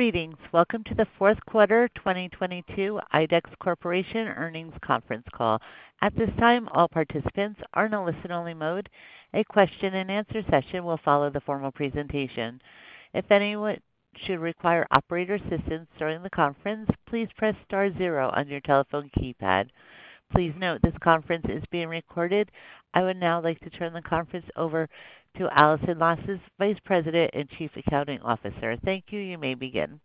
Greetings. Welcome to the Fourth Quarter 2022 IDEX Corporation Earnings Conference Call. At this time, all participants are in a listen-only mode. A question-and-answer session will follow the formal presentation. If anyone should require operator assistance during the conference, please press star zero on your telephone keypad. Please note this conference is being recorded. I would now like to turn the conference over to Allison Lausas, Vice President and Chief Accounting Officer. Thank you. You may begin.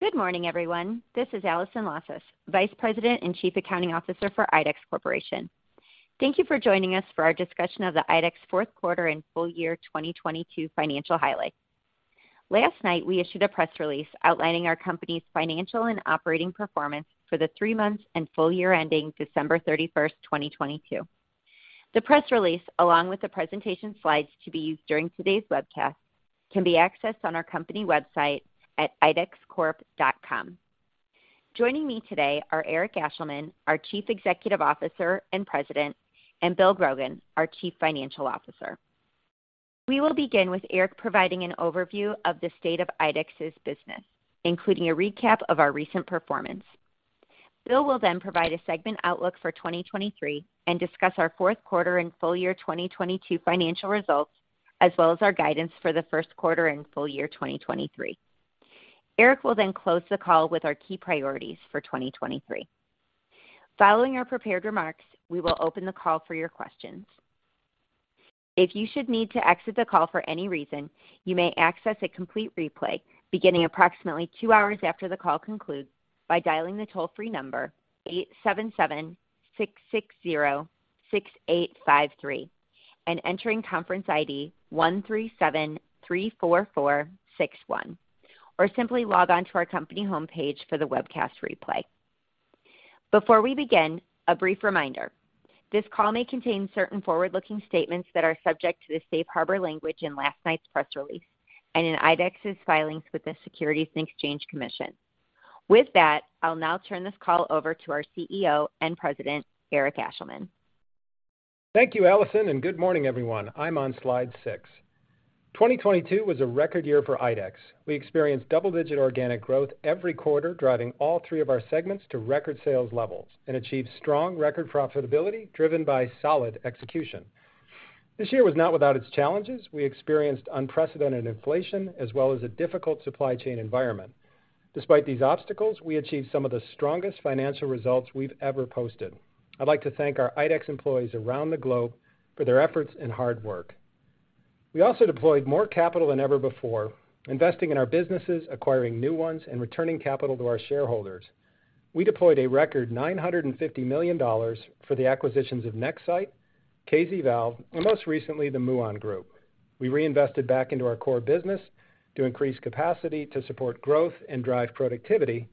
Good morning, everyone. This is Allison Lausas, Vice President and Chief Accounting Officer for IDEX Corporation. Thank you for joining us for our discussion of the IDEX fourth quarter and full year 2022 financial highlights. Last night, we issued a press release outlining our company's financial and operating performance for the three months and full year ending December 31st, 2022. The press release, along with the presentation slides to be used during today's webcast, can be accessed on our company website at idexcorp.com. Joining me today are Eric Ashleman, our Chief Executive Officer and President, and William Grogan, our Chief Financial Officer. We will begin with Eric providing an overview of the state of IDEX's business, including a recap of our recent performance. Bill will provide a segment outlook for 2023 and discuss our fourth quarter and full year 2022 financial results, as well as our guidance for the first quarter and full year 2023. Eric will close the call with our key priorities for 2023. Following our prepared remarks, we will open the call for your questions. If you should need to exit the call for any reason, you may access a complete replay beginning approximately two hours after the call concludes by dialing the toll-free number 877-660-6853 and entering conference ID 13734461, or simply log on to our company home page for the webcast replay. Before we begin, a brief reminder. This call may contain certain forward-looking statements that are subject to the safe harbor language in last night's press release and in IDEX's filings with the Securities and Exchange Commission. With that, I'll now turn this call over to our CEO and President, Eric Ashleman. Thank you, Allison, and good morning, everyone. I'm on slide six. 2022 was a record year for IDEX. We experienced double-digit organic growth every quarter, driving all three of our segments to record sales levels and achieved strong record profitability driven by solid execution. This year was not without its challenges. We experienced unprecedented inflation as well as a difficult supply chain environment. Despite these obstacles, we achieved some of the strongest financial results we've ever posted. I'd like to thank our IDEX employees around the globe for their efforts and hard work. We also deployed more capital than ever before, investing in our businesses, acquiring new ones, and returning capital to our shareholders. We deployed a record $950 million for the acquisitions of Nexsight, KZValve, and most recently, the Muon Group. We reinvested back into our core business to increase capacity to support growth and drive productivity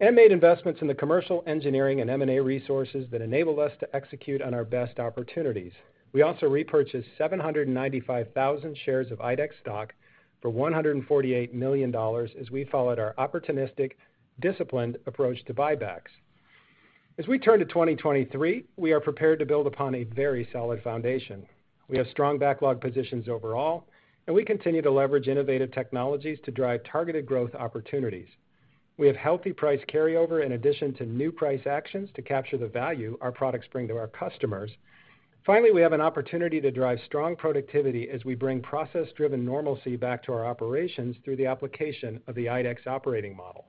and made investments in the commercial engineering and M&A resources that enable us to execute on our best opportunities. We also repurchased 795,000 shares of IDEX stock for $148 million as we followed our opportunistic, disciplined approach to buybacks. As we turn to 2023, we are prepared to build upon a very solid foundation. We have strong backlog positions overall, and we continue to leverage innovative technologies to drive targeted growth opportunities. We have healthy price carryover in addition to new price actions to capture the value our products bring to our customers. Finally, we have an opportunity to drive strong productivity as we bring process-driven normalcy back to our operations through the application of the IDEX Operating Model.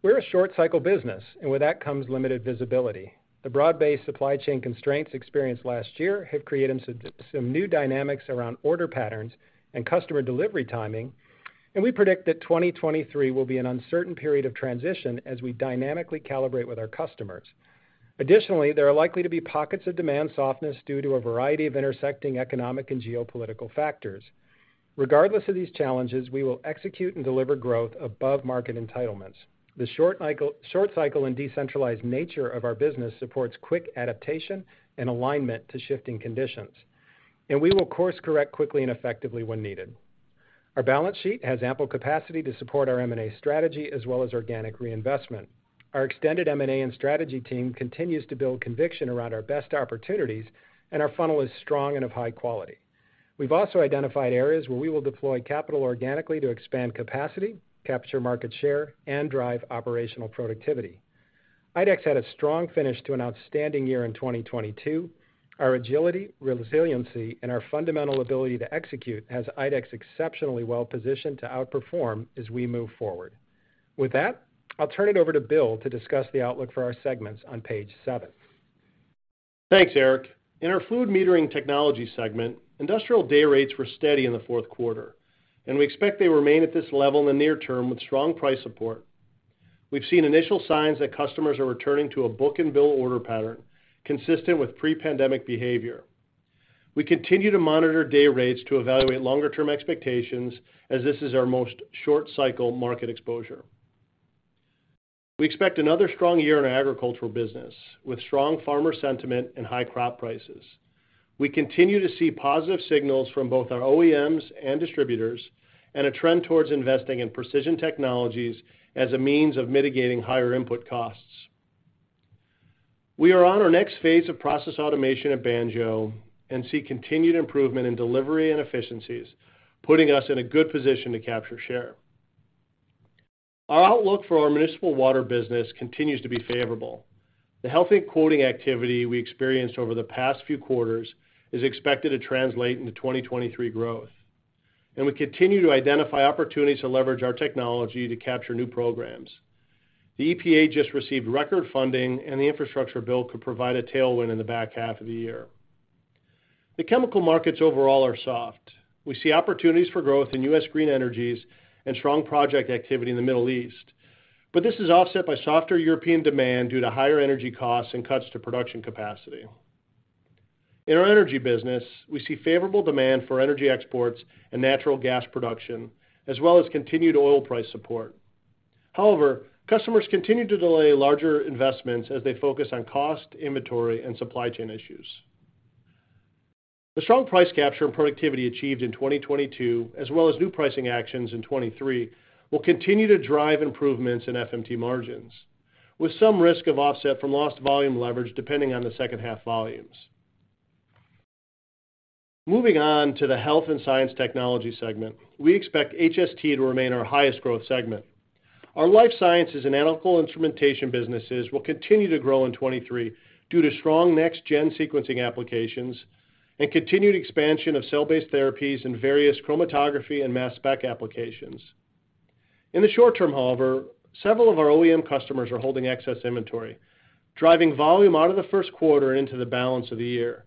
We're a short cycle business, and with that comes limited visibility. The broad-based supply chain constraints experienced last year have created some new dynamics around order patterns and customer delivery timing, and we predict that 2023 will be an uncertain period of transition as we dynamically calibrate with our customers. Additionally, there are likely to be pockets of demand softness due to a variety of intersecting economic and geopolitical factors. Regardless of these challenges, we will execute and deliver growth above market entitlements. The short cycle and decentralized nature of our business supports quick adaptation and alignment to shifting conditions, and we will course correct quickly and effectively when needed. Our balance sheet has ample capacity to support our M&A strategy as well as organic reinvestment. Our extended M&A and strategy team continues to build conviction around our best opportunities. Our funnel is strong and of high quality. We've also identified areas where we will deploy capital organically to expand capacity, capture market share, and drive operational productivity. IDEX had a strong finish to an outstanding year in 2022. Our agility, resiliency, and our fundamental ability to execute has IDEX exceptionally well positioned to outperform as we move forward. With that, I'll turn it over to Bill to discuss the outlook for our segments on page seven. Thanks, Eric. In our Fluid Metering Technology segment, industrial day rates were steady in the fourth quarter, and we expect they remain at this level in the near term with strong price support. We've seen initial signs that customers are returning to a book-and-bill order pattern consistent with pre-pandemic behavior. We continue to monitor day rates to evaluate longer-term expectations, as this is our most short-cycle market exposure. We expect another strong year in our agricultural business with strong farmer sentiment and high crop prices. We continue to see positive signals from both our OEMs and distributors and a trend towards investing in precision technologies as a means of mitigating higher input costs. We are on our next phase of process automation at Banjo and see continued improvement in delivery and efficiencies, putting us in a good position to capture share. Our outlook for our municipal water business continues to be favorable. The healthy quoting activity we experienced over the past few quarters is expected to translate into 2023 growth. We continue to identify opportunities to leverage our technology to capture new programs. The EPA just received record funding. The infrastructure bill could provide a tailwind in the back half of the year. The chemical markets overall are soft. We see opportunities for growth in U.S. green energies and strong project activity in the Middle East. This is offset by softer European demand due to higher energy costs and cuts to production capacity. In our energy business, we see favorable demand for energy exports and natural gas production, as well as continued oil price support. However, customers continue to delay larger investments as they focus on cost, inventory, and supply chain issues. The strong price capture and productivity achieved in 2022, as well as new pricing actions in 2023, will continue to drive improvements in FMT margins, with some risk of offset from lost volume leverage depending on the second half volumes. Moving on to the Health & Science Technologies segment, we expect HST to remain our highest growth segment. Our Life Sciences and Analytical Instrumentation businesses will continue to grow in 2023 due to strong Next-Generation Sequencing applications and continued expansion of cell-based therapies in various chromatography and mass spec applications. In the short term, however, several of our OEM customers are holding excess inventory, driving volume out of the first quarter and into the balance of the year.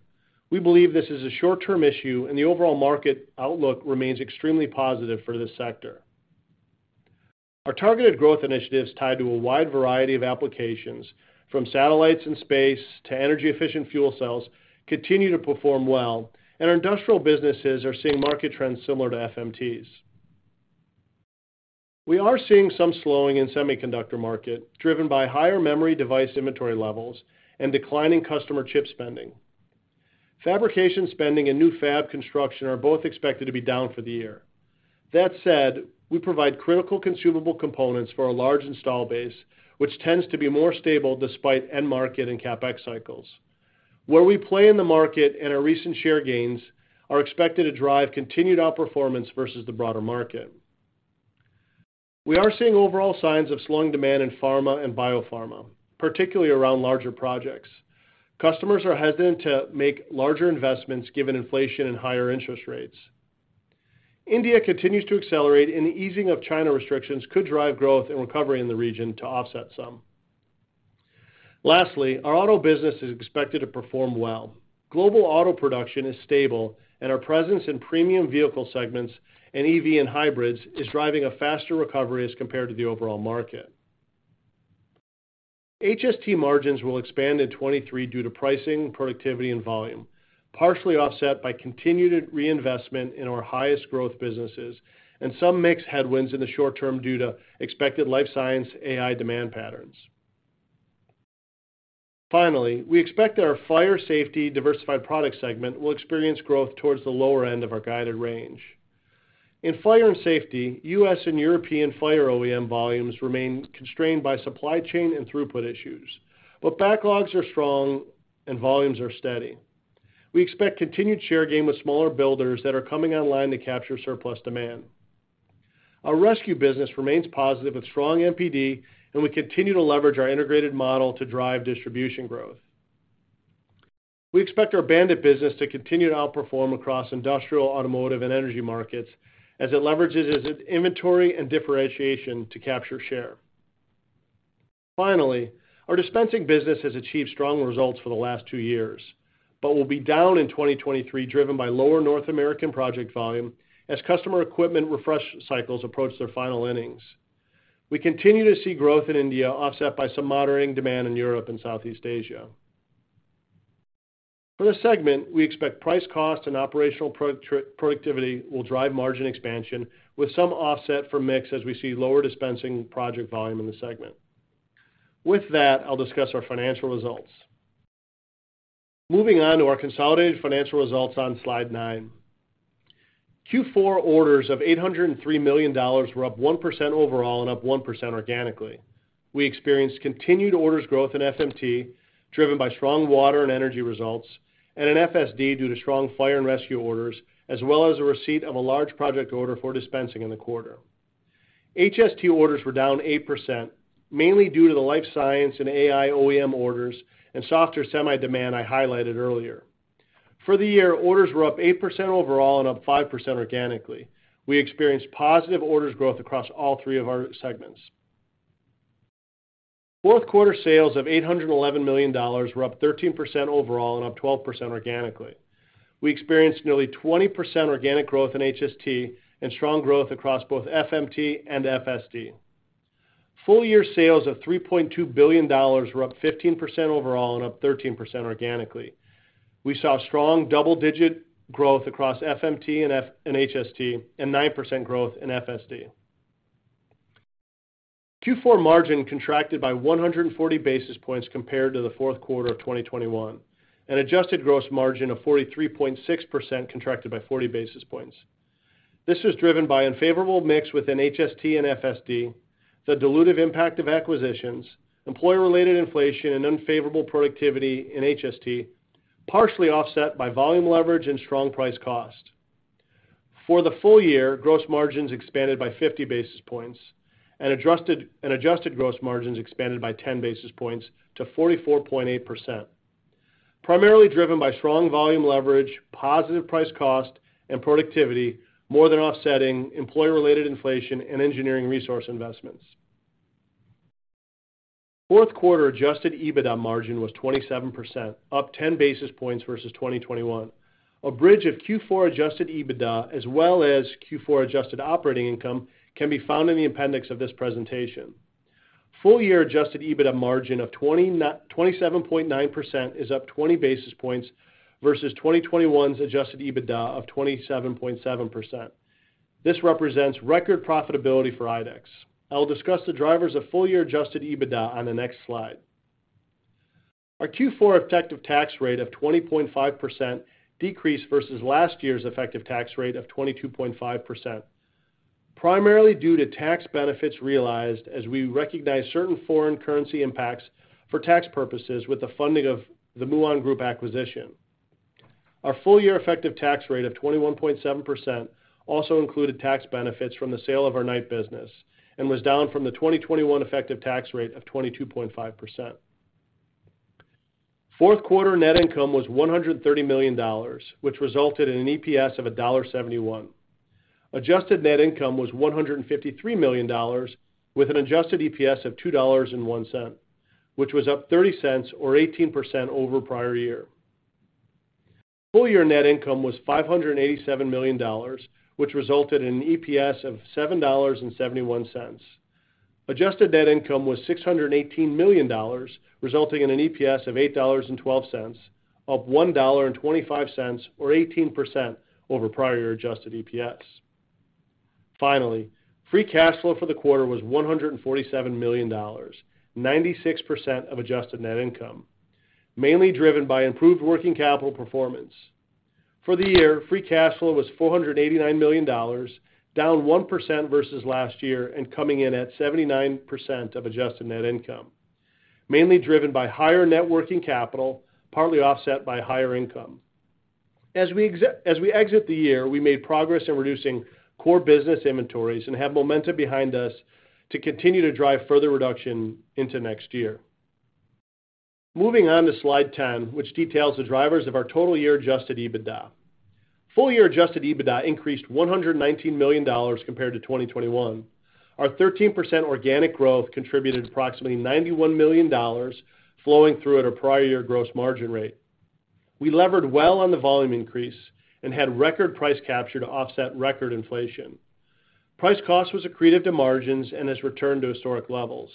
We believe this is a short-term issue, and the overall market outlook remains extremely positive for this sector. Our targeted growth initiatives tied to a wide variety of applications, from satellites in space to energy-efficient fuel cells, continue to perform well, and our industrial businesses are seeing market trends similar to FMTs. We are seeing some slowing in semiconductor market driven by higher memory device inventory levels and declining customer chip spending. Fabrication spending and new fab construction are both expected to be down for the year. That said, we provide critical consumable components for our large install base, which tends to be more stable despite end market and CapEx cycles. Where we play in the market and our recent share gains are expected to drive continued outperformance versus the broader market. We are seeing overall signs of slowing demand in pharma and biopharma, particularly around larger projects. Customers are hesitant to make larger investments given inflation and higher interest rates. India continues to accelerate. The easing of China restrictions could drive growth and recovery in the region to offset some. Lastly, our auto business is expected to perform well. Global auto production is stable and our presence in premium vehicle segments and EV and hybrids is driving a faster recovery as compared to the overall market. HST margins will expand in 2023 due to pricing, productivity, and volume, partially offset by continued reinvestment in our highest growth businesses and some mix headwinds in the short term due to expected life science AI demand patterns. Finally, we expect our Fire & Safety/Diversified Products segment will experience growth towards the lower end of our guided range. In fire and safety, U.S. and European fire OEM volumes remain constrained by supply chain and throughput issues, but backlogs are strong and volumes are steady. We expect continued share gain with smaller builders that are coming online to capture surplus demand. Our rescue business remains positive with strong MPD, and we continue to leverage our integrated model to drive distribution growth. We expect our BAND-IT business to continue to outperform across industrial, automotive, and energy markets as it leverages its inventory and differentiation to capture share. Finally, our dispensing business has achieved strong results for the last two years, but will be down in 2023 driven by lower North American project volume as customer equipment refresh cycles approach their final innings. We continue to see growth in India offset by some moderating demand in Europe and Southeast Asia. For this segment, we expect price cost and operational productivity will drive margin expansion with some offset for mix as we see lower dispensing project volume in the segment. With that, I'll discuss our financial results. Moving on to our consolidated financial results on slide nine. Q4 orders of $803 million were up 1% overall and up 1% organically. We experienced continued orders growth in FMT, driven by strong water and energy results, and in FSD due to strong fire and rescue orders, as well as the receipt of a large project order for dispensing in the quarter. HST orders were down 8%, mainly due to the life science and AI OEM orders and softer semi demand I highlighted earlier. For the year, orders were up 8% overall and up 5% organically. We experienced positive orders growth across all three of our segments. Fourth quarter sales of $811 million were up 13% overall and up 12% organically. We experienced nearly 20% organic growth in HST and strong growth across both FMT and FSD. Full year sales of $3.2 billion were up 15% overall and up 13% organically. We saw strong double-digit growth across FMT and HST and 9% growth in FSD. Q4 margin contracted by 140 basis points compared to the fourth quarter of 2021. An adjusted gross margin of 43.6% contracted by 40 basis points. This was driven by unfavorable mix within HST and FSD, the dilutive impact of acquisitions, employee-related inflation and unfavorable productivity in HST, partially offset by volume leverage and strong price cost. For the full year, gross margins expanded by 50 basis points and adjusted gross margins expanded by 10 basis points to 44.8%. Primarily driven by strong volume leverage, positive price cost and productivity more than offsetting employee-related inflation and engineering resource investments. Fourth quarter adjusted EBITDA margin was 27%, up 10 basis points versus 2021. A bridge of Q4 adjusted EBITDA as well as Q4 adjusted operating income can be found in the appendix of this presentation. Full-year adjusted EBITDA margin of 27.9% is up 20 basis points versus 2021's adjusted EBITDA of 27.7%. This represents record profitability for IDEX. I will discuss the drivers of full-year adjusted EBITDA on the next slide. Our Q4 effective tax rate of 20.5% decreased versus last year's effective tax rate of 22.5%, primarily due to tax benefits realized as we recognize certain foreign currency impacts for tax purposes with the funding of the Muon Group acquisition. Our full-year effective tax rate of 21.7% also included tax benefits from the sale of our Knight business and was down from the 2021 effective tax rate of 22.5%. Fourth quarter Net Income was $130 million, which resulted in an EPS of $1.71. Adjusted Net Income was $153 million with an adjusted EPS of $2.01, which was up $0.30 or 18% over prior year. Full year net income was $587 million, which resulted in an EPS of $7.71. Adjusted net income was $618 million, resulting in an EPS of $8.12, up $1.25 or 18% over prior adjusted EPS. Finally, free cash flow for the quarter was $147 million, 96% of adjusted net income, mainly driven by improved working capital performance. For the year, free cash flow was $489 million, down 1% versus last year and coming in at 79% of adjusted net income, mainly driven by higher net working capital, partly offset by higher income. As we exit the year, we made progress in reducing core business inventories and have momentum behind us to continue to drive further reduction into next year. Moving on to slide 10, which details the drivers of our total year adjusted EBITDA. Full year adjusted EBITDA increased $119 million compared to 2021. Our 13% organic growth contributed approximately $91 million flowing through at a prior year gross margin rate. We levered well on the volume increase and had record price capture to offset record inflation. Price cost was accretive to margins and has returned to historic levels.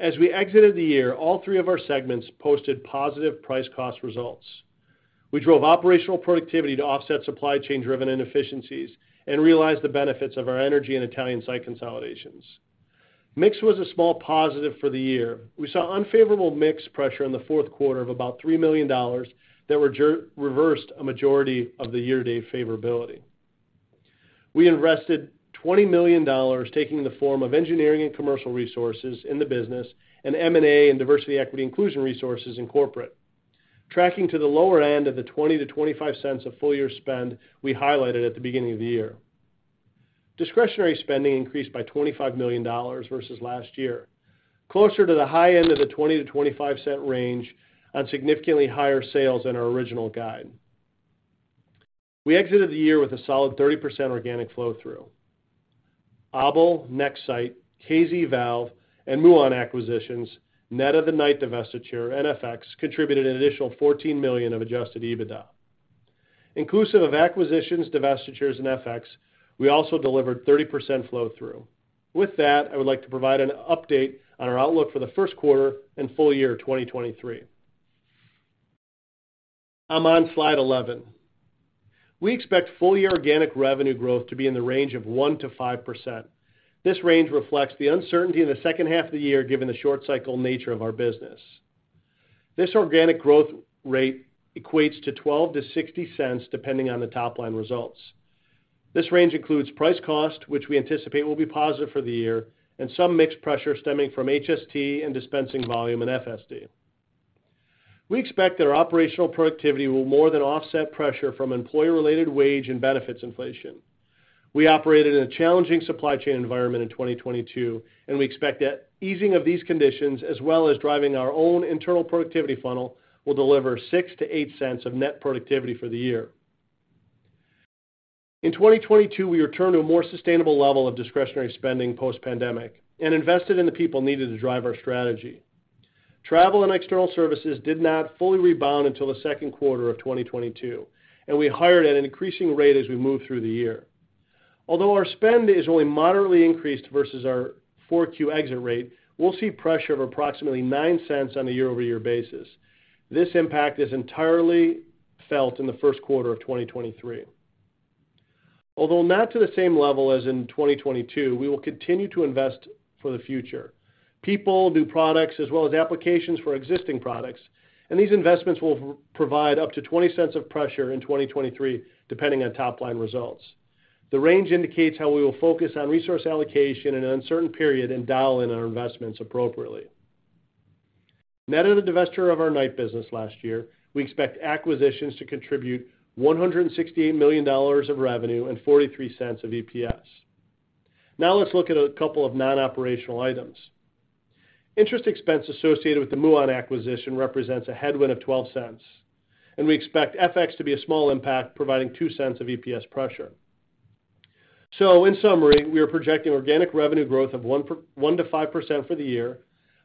As we exited the year, all three of our segments posted positive price cost results. We drove operational productivity to offset supply chain driven inefficiencies and realized the benefits of our energy and Italian site consolidations. Mix was a small positive for the year. We saw unfavorable mix pressure in the fourth quarter of about $3 million that reversed a majority of the year date favorability. We invested $20 million, taking the form of engineering and commercial resources in the business and M&A and Diversity Equity Inclusion resources in corporate, tracking to the lower end of the $0.20-$0.25 a full year spend we highlighted at the beginning of the year. Discretionary spending increased by $25 million versus last year, closer to the high end of the $0.20-$0.25 range on significantly higher sales than our original guide. We exited the year with a solid 30% organic flow through. ABEL, Nexsight, KZValve and Muon acquisitions, net of the Knight divestiture and FX contributed an additional $14 million of adjusted EBITDA. Inclusive of acquisitions, divestitures and FX, we also delivered 30% flow through. I would like to provide an update on our outlook for the first quarter and full year 2023. I'm on slide 11. We expect full year organic revenue growth to be in the range of 1%-5%. This range reflects the uncertainty in the second half of the year, given the short cycle nature of our business. This organic growth rate equates to $0.12-$0.60, depending on the top line results. This range includes price cost, which we anticipate will be positive for the year, and some mixed pressure stemming from HST and dispensing volume in FSD. We expect that our operational productivity will more than offset pressure from employee-related wage and benefits inflation. We operated in a challenging supply chain environment in 2022. We expect that easing of these conditions as well as driving our own internal productivity funnel will deliver $0.06-$0.08 of net productivity for the year. In 2022, we returned to a more sustainable level of discretionary spending post-pandemic and invested in the people needed to drive our strategy. Travel and external services did not fully rebound until the second quarter of 2022, and we hired at an increasing rate as we moved through the year. Although our spend is only moderately increased versus our 4Q exit rate, we'll see pressure of approximately $0.09 on a year-over-year basis. This impact is entirely felt in the first quarter of 2023. Although not to the same level as in 2022, we will continue to invest for the future. People, new products, as well as applications for existing products, and these investments will provide up to $0.20 of pressure in 2023, depending on top line results. The range indicates how we will focus on resource allocation in an uncertain period and dial in our investments appropriately. Net of the divesture of our Knight business last year, we expect acquisitions to contribute $168 million of revenue and $0.43 of EPS. Now let's look at a couple of non-operational items. Interest expense associated with the Muon acquisition represents a headwind of $0.12, and we expect FX to be a small impact, providing $0.02 of EPS pressure. In summary, we are projecting organic revenue growth of 1%-5% for the year.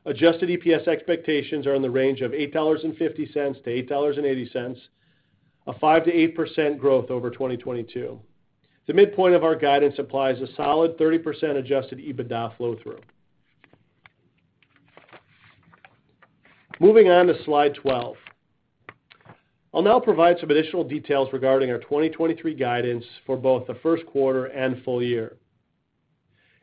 Adjusted EPS expectations are in the range of $8.50-$8.80, a 5%-8% growth over 2022. The midpoint of our guidance applies a solid 30% adjusted EBITDA flow through. Moving on to slide 12. I'll now provide some additional details regarding our 2023 guidance for both the first quarter and full year.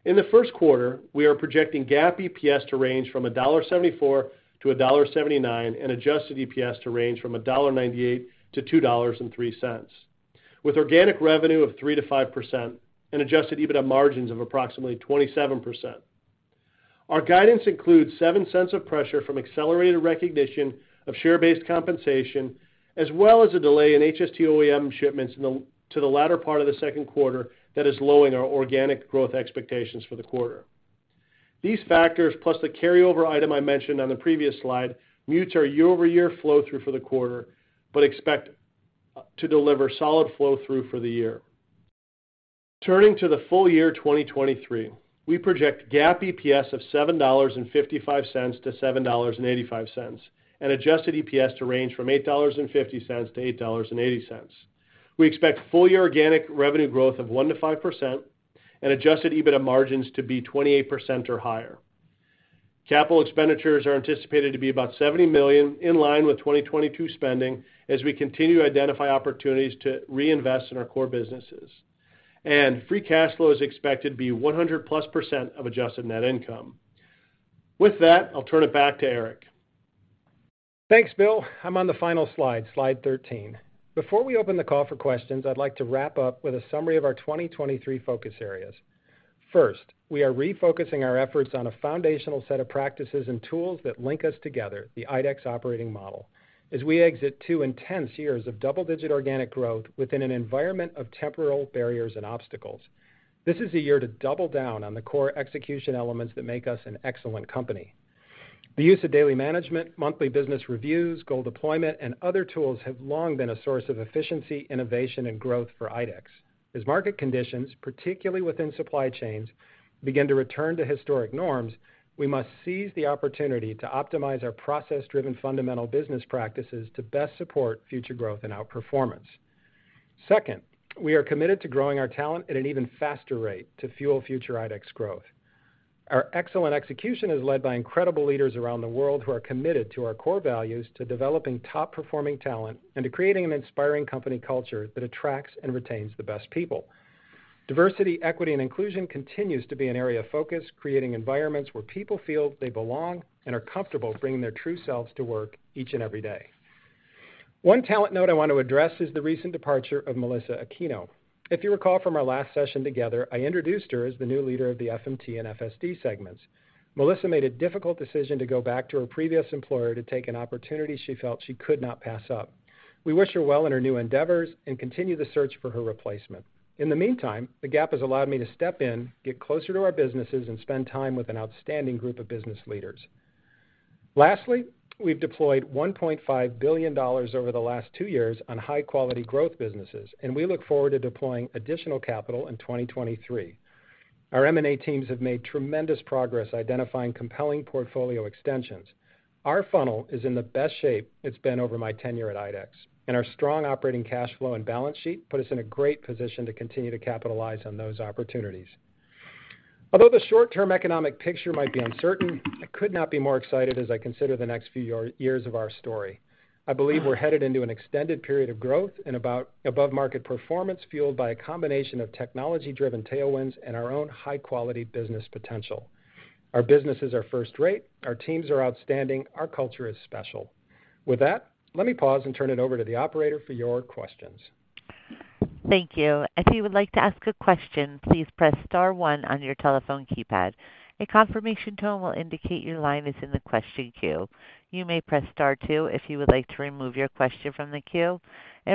In the first quarter, we are projecting GAAP EPS to range from $1.74-$1.79, and adjusted EPS to range from $1.98-$2.03, with organic revenue of 3%-5% and adjusted EBITDA margins of approximately 27%. Our guidance includes $0.07 of pressure from accelerated recognition of share-based compensation, as well as a delay in HST OEM shipments to the latter part of the second quarter that is lowering our organic growth expectations for the quarter. These factors, plus the carryover item I mentioned on the previous slide, mutes our year-over-year flow-through for the quarter, but expect to deliver solid flow-through for the year. Turning to the full year 2023, we project GAAP EPS of $7.55-$7.85, and adjusted EPS to range from $8.50-$8.80. We expect full-year organic revenue growth of 1%-5% and adjusted EBITDA margins to be 28% or higher. Capital expenditures are anticipated to be about $70 million, in line with 2022 spending as we continue to identify opportunities to reinvest in our core businesses. Free cash flow is expected to be 100%+ of adjusted net income. With that, I'll turn it back to Eric. Thanks, Bill. I'm on the final slide 13. Before we open the call for questions, I'd like to wrap up with a summary of our 2023 focus areas. First, we are refocusing our efforts on a foundational set of practices and tools that link us together, the IDEX Operating Model. As we exit two intense years of double-digit organic growth within an environment of temporal barriers and obstacles, this is a year to double down on the core execution elements that make us an excellent company. The use of daily management, monthly business reviews, goal deployment, and other tools have long been a source of efficiency, innovation, and growth for IDEX. As market conditions, particularly within supply chains, begin to return to historic norms, we must seize the opportunity to optimize our process-driven fundamental business practices to best support future growth and outperformance. We are committed to growing our talent at an even faster rate to fuel future IDEX growth. Our excellent execution is led by incredible leaders around the world who are committed to our core values to developing top-performing talent and to creating an inspiring company culture that attracts and retains the best people. Diversity, Equity, and Inclusion continues to be an area of focus, creating environments where people feel they belong and are comfortable bringing their true selves to work each and every day. One talent note I want to address is the recent departure of Melissa Aquino. If you recall from our last session together, I introduced her as the new leader of the FMT and FSD segments. Melissa made a difficult decision to go back to her previous employer to take an opportunity she felt she could not pass up. We wish her well in her new endeavors and continue the search for her replacement. In the meantime, the gap has allowed me to step in, get closer to our businesses, and spend time with an outstanding group of business leaders. Lastly, we've deployed $1.5 billion over the last two years on high-quality growth businesses, and we look forward to deploying additional capital in 2023. Our M. & A. teams have made tremendous progress identifying compelling portfolio extensions. Our funnel is in the best shape it's been over my tenure at IDEX, and our strong operating cash flow and balance sheet put us in a great position to continue to capitalize on those opportunities. Although the short-term economic picture might be uncertain, I could not be more excited as I consider the next few years of our story. I believe we're headed into an extended period of growth and above market performance fueled by a combination of technology-driven tailwinds and our own high-quality business potential. Our businesses are first-rate, our teams are outstanding, our culture is special. With that, let me pause and turn it over to the operator for your questions. Thank you. If you would like to ask a question, please press star one on your telephone keypad. A confirmation tone will indicate your line is in the question queue. You may press Star two if you would like to remove your question from the queue.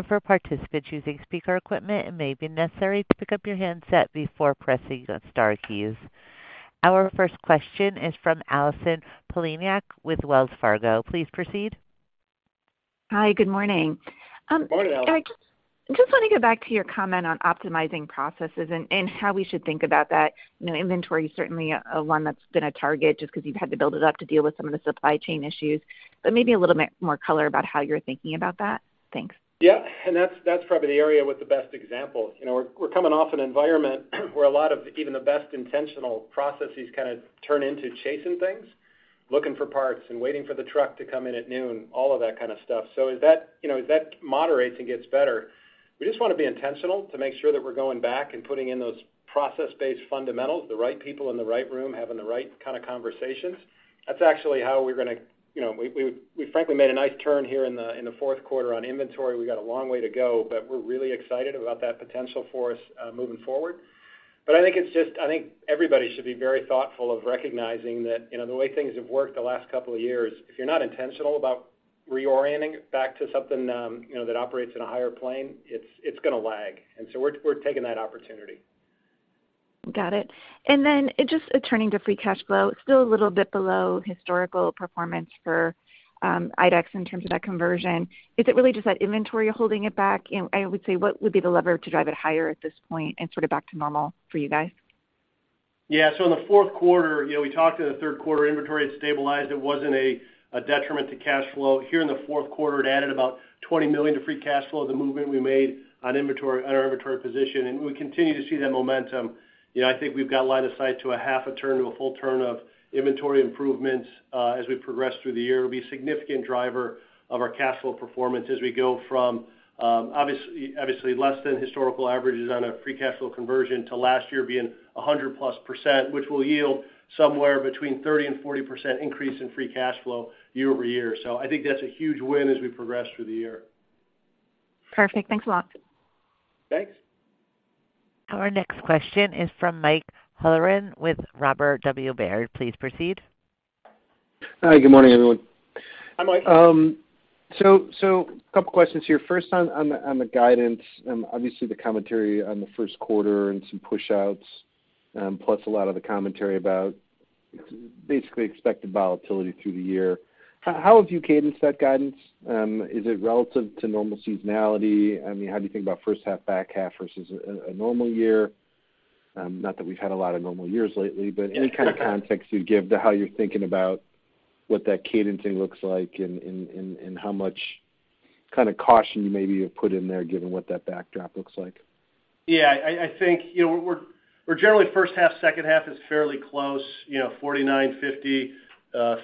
For participants using speaker equipment, it may be necessary to pick up your handset before pressing the star keys. Our first question is from Allison Poliniak with Wells Fargo. Please proceed. Hi. Good morning. Good morning, Allison. Eric, just want to go back to your comment on optimizing processes and how we should think about that. You know, inventory is certainly a one that's been a target just 'cause you've had to build it up to deal with some of the supply chain issues. Maybe a little bit more color about how you're thinking about that. Thanks. Yeah. That's probably the area with the best example. You know, we're coming off an environment where a lot of even the best intentional processes kinda turn into chasing things, looking for parts, and waiting for the truck to come in at noon, all of that kind of stuff. As that, you know, as that moderates and gets better, we just wanna be intentional to make sure that we're going back and putting in those process-based fundamentals, the right people in the right room having the right kinda conversations. That's actually how we're gonna, you know, we frankly made a nice turn here in the fourth quarter on inventory. We got a long way to go, but we're really excited about that potential for us moving forward. I think everybody should be very thoughtful of recognizing that, you know, the way things have worked the last couple of years, if you're not intentional about reorienting back to something, you know, that operates in a higher plane, it's gonna lag. We're taking that opportunity. Got it. Just turning to free cash flow, it's still a little bit below historical performance for IDEX in terms of that conversion. Is it really just that inventory holding it back? I would say, what would be the lever to drive it higher at this point and sort of back to normal for you guys? Yeah. In the fourth quarter, you know, we talked in the third quarter, inventory had stabilized. It wasn't a detriment to cash flow. Here in the fourth quarter, it added about $20 million to free cash flow, the movement we made on our inventory position, and we continue to see that momentum. You know, I think we've got line of sight to a half a turn to a full turn of inventory improvements as we progress through the year. It'll be a significant driver of our cash flow performance as we go from, obviously less than historical averages on a free cash flow conversion to last year being 100+%, which will yield somewhere between 30%-40% increase in free cash flow year-over-year. I think that's a huge win as we progress through the year. Perfect. Thanks a lot. Thanks. Our next question is from Mike Halloran with Robert W. Baird. Please proceed. Hi, good morning, everyone. Hi, Mike. Couple questions here. First on the guidance and obviously the commentary on the first quarter and some push-outs, plus a lot of the commentary about basically expected volatility through the year. How have you cadenced that guidance? Is it relative to normal seasonality? I mean, how do you think about first half, back half versus a normal year? Not that we've had a lot of normal years lately, but any kind of context you give to how you're thinking about what that cadencing looks like and how much kind of caution maybe you put in there given what that backdrop looks like. Yeah. I think, you know, we're generally first half, second half is fairly close, you know, 49, 50,